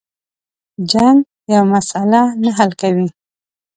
جنگ یوه مسله نه حل کوي.